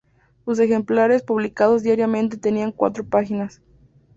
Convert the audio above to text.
Sus ejemplares, publicados diariamente, tenían cuatro páginas.